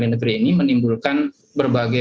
di negeri ini menimbulkan berbagai